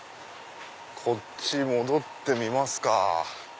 こっち戻ってみますか。